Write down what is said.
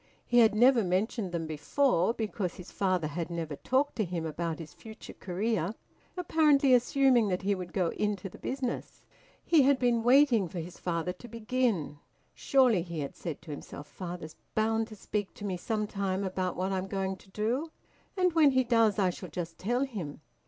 He had never mentioned them before, because his father had never talked to him about his future career, apparently assuming that he would go into the business. He had been waiting for his father to begin. "Surely," he had said to himself "father's bound to speak to me sometime about what I'm going to do, and when he does I shall just tell him."